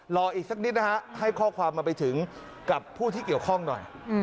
รออีกสักนิดนะฮะให้ข้อความมาไปถึงกับผู้ที่เกี่ยวข้องหน่อย